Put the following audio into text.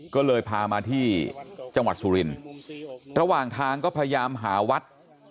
ก็เลยพามาที่จังหวัดสุรินทร์ระหว่างทางก็พยายามหาวัด